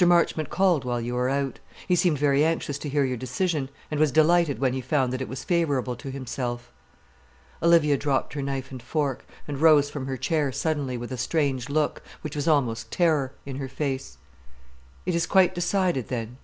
Marchmont called while you were out. He seemed very anxious to hear your decision, and was delighted when he found that it was favourable to himself." Olivia dropped her knife and fork, and rose from her chair suddenly, with a strange look, which was almost terror, in her face. "It is quite decided, then?"